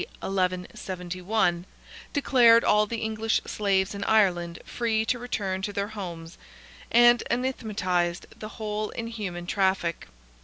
1171) declared all the English slaves in Ireland free to return to their homes, and anathematized the whole inhuman traffic.